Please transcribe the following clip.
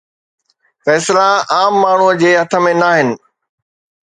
فيصلا عام ماڻهوءَ جي هٿ ۾ ناهن.